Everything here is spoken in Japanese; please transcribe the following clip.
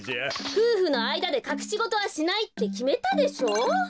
ふうふのあいだでかくしごとはしないってきめたでしょ？